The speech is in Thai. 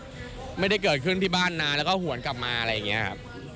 รู้จักกับสัมผัสกับว่า